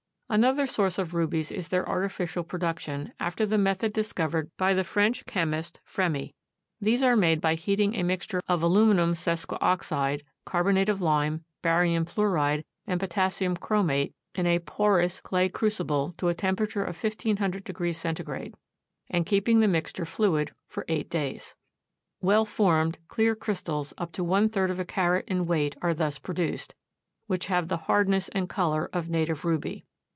Another source of rubies is their artificial production, after the method discovered by the French chemist Fremy. These are made by heating a mixture of aluminum sesquioxide, carbonate of lime, barium fluoride and potassium chromate in a porous clay crucible to a temperature of 1500 degrees C. and keeping the mixture fluid for eight days. Well formed, clear crystals up to one third of a carat in weight are thus produced, which have the hardness and color of native ruby.